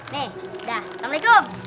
nih dah assalamualaikum